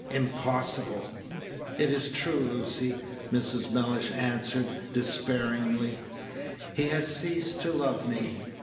"Impossible!" "It is true, Lucy," Mrs. Mellish answered, despairingly. "He has ceased to love me.